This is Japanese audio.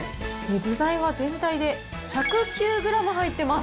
具材は全体で１０９グラム入ってます。